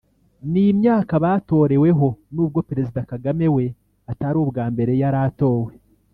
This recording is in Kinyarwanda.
ni imyaka batoreweho n’ubwo President Kagame we atari ubwa mbere yari atowe